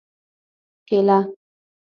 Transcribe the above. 🍌کېله